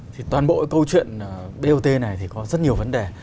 thì toàn bộ câu chuyện bot này thì có rất nhiều vấn đề